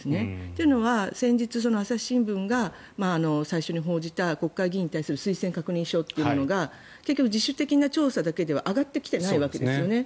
というのは先日朝日新聞が最初に報じた国会議員に対する推薦確認書というのが結局、自主的な調査だけでは挙がってきてないわけですよね。